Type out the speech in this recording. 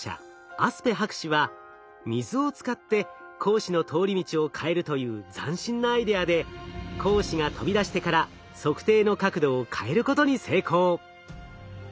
アスペ博士は水を使って光子の通り道を変えるという斬新なアイデアで光子が飛び出してから測定の角度を変えることに成功。